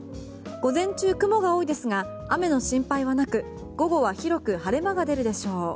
午前中、雲が多いですが雨の心配はなく午後は広く晴れ間が出るでしょう。